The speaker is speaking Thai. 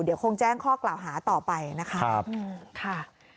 เดี๋ยวคงแจ้งข้อกล่าวหาต่อไปนะคะ